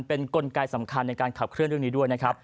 เป็นกลไกสำคัญในการขับเคลื่อนเรื่องนี้ด้วยนะครับ